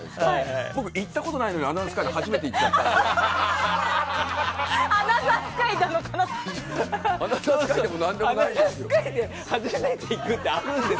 僕、行ったことないのに「アナザースカイ」で初めて行っちゃったので。